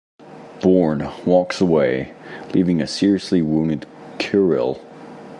Bourne walks away, leaving a seriously wounded Kirill.